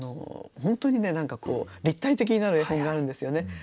本当に何かこう立体的になる絵本があるんですよね。